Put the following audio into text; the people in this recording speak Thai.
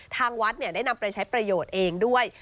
ทางวัดได้นำไปใช้ประโยชน์เองด้วย